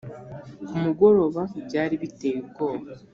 Ku mugoroba byari biteye ubwoba,